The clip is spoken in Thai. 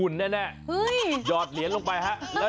แยกยมรออยู่ค่ะ